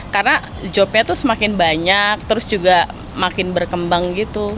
karena jobnya tuh semakin banyak terus juga makin berkembang gitu